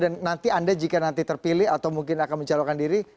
dan nanti anda jika nanti terpilih atau mungkin akan mencalonkan diri